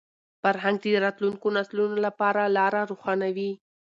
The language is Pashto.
فرهنګ د راتلونکو نسلونو لپاره لاره روښانوي.